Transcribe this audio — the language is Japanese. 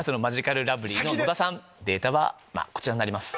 データはこちらになります。